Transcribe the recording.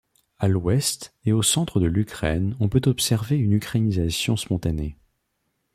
À l’ouest et au centre de l’Ukraine on peut observer une ukrainisation spontanée.